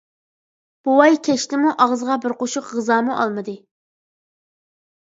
بوۋاي كەچتىمۇ ئاغزىغا بىر قوشۇق غىزامۇ ئالمىدى.